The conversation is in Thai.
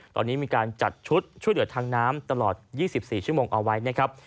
ตอนนี้มีการจัดชุดช่วยเหลือทางน้ำตลอด๒๔ชั่วโมงเอาไว้นะครับ